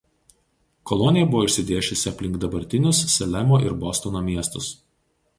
Kolonija buvo išsidėsčiusi aplink dabartinius Salemo ir Bostono miestus.